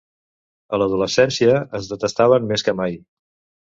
A l'adolescència, es detestaven més que mai.